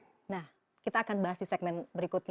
nah kita akan bahas di segmen berikutnya